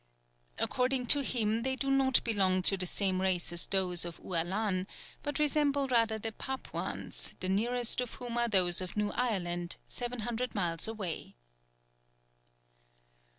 According to him they do not belong to the same race as those of Ualan, but resemble rather the Papuans, the nearest of whom are those of New Ireland, seven hundred miles away.